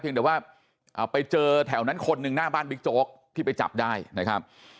ยังแต่ว่าไปเจอแถวนั้นคนหนึ่งหน้าบ้านบิ๊กโจ๊กที่ไปจับได้นะครับ